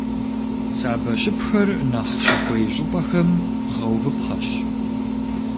Сабэщыпхэр нэхъ щыхуей щӀыпӀэхэм гъэувыпхъэщ.